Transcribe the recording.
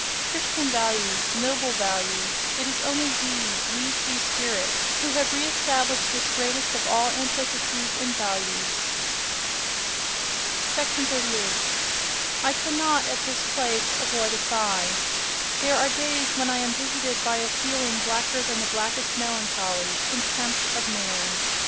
—Christian values—noble values: it is only we, we free spirits, who have re established this greatest of all antitheses in values!... 38. —I cannot, at this place, avoid a sigh. There are days when I am visited by a feeling blacker than the blackest melancholy—contempt of man.